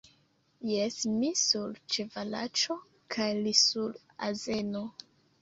Jes; mi sur ĉevalaĉo kaj li sur azeno.